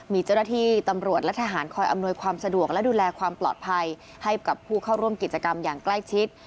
มีเจ้าหน้าที่ตำรวจและทหารคอยอำนวยความสะดวกและดูแลความปลอดภัยให้กับผู้เข้าร่วมกิจกรรมอย่างใกล้ชิด